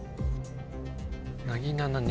「なぎなな」